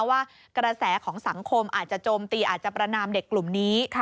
ว่ากระแสของสังคมอาจจะโจมตีอาจจะประนามเด็กกลุ่มนี้